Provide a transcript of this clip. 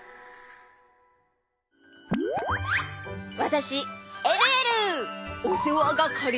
わたしえるえる！